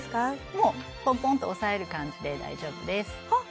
もうポンポンと押さえる感じで大丈夫ですあっ